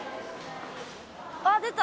「あっ出た！